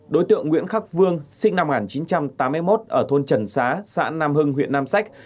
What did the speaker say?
đối tượng nguyễn khắc vương sinh năm một nghìn chín trăm tám mươi một ở thôn trần xá xã nam hưng huyện nam sách